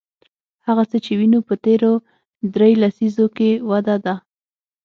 هغه څه چې وینو په تېرو درې لسیزو کې وده ده.